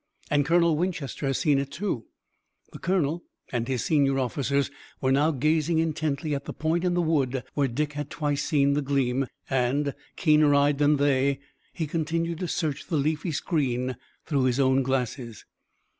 And Colonel Winchester has seen it too." The colonel and his senior officers were now gazing intently at the point in the wood where Dick had twice seen the gleam, and, keener eyed than they, he continued to search the leafy screen through his own glasses.